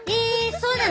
そうなの？